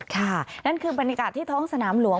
นั่นคือบรรยากาศที่ท้องสนามหลวง